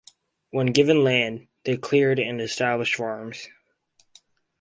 When given land, they cleared and established farms.